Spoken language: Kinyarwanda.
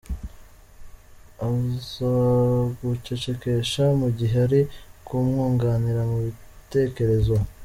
Azagucecekesha mugihe ari kumwunganira mu bitekerezo.